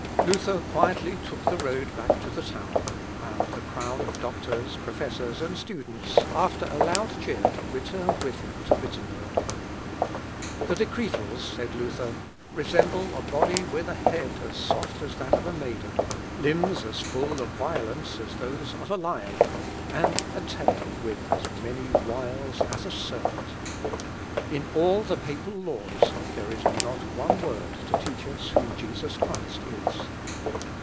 Luther quietly took the road back to the town, and the crowd of doctors, professors, and students, after a loud cheer, returned with him to Wittemberg. "The Decretals," said Luther, "resemble a body with a head as soft as that of a maiden, limbs as full of violence as those of a lion, and a tail with as many wiles as a serpent. In all the papal laws, there is not one word to teach us who Jesus Christ is.